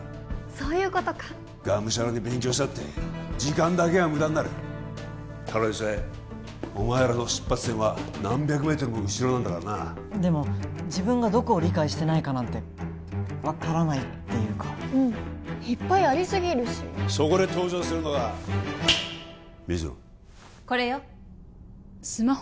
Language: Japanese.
そういうことかがむしゃらに勉強したって時間だけが無駄になるただでさえお前らの出発点は何百メートルも後ろなんだからなでも自分がどこを理解してないかなんて分からないっていうかうんいっぱいありすぎるしそこで登場するのが水野これよスマホ？